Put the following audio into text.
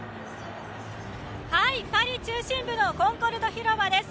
パリ中心部のコンコルド広場です。